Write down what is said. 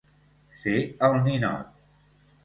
Fer el ninot.